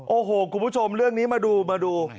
โอ้โหคุณผู้ชมเรื่องนี้มาดูมาดู